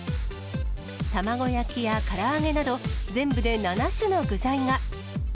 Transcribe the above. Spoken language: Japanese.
卵焼きやから揚げなど、全部で７種の具材が。